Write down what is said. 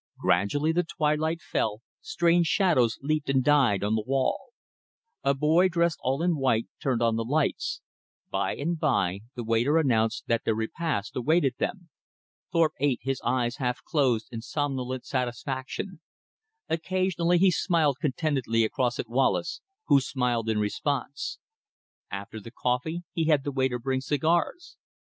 Gradually the twilight fell; strange shadows leaped and died on the wall. A boy dressed all in white turned on the lights. By and by the waiter announced that their repast awaited them. Thorpe ate, his eyes half closed, in somnolent satisfaction. Occasionally he smiled contentedly across at Wallace, who smiled in response. After the coffee he had the waiter bring cigars.